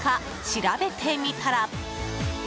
調べてみたら。